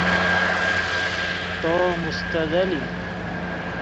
ته مستدلی